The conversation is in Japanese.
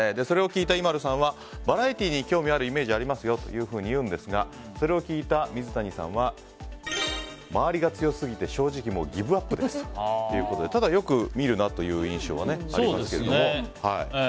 それを聞いたＩＭＡＬＵさんはバラエティーに興味あるイメージありますよと言うんですがそれを聞いた水谷さんは周りが強すぎて正直もうギブアップですということでただよく見るなという印象はありますけど。